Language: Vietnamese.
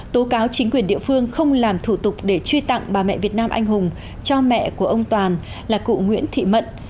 tố cáo chính quyền địa phương không làm thủ tục để truy tặng bà mẹ việt nam anh hùng cho mẹ của ông toàn là cụ nguyễn thị mận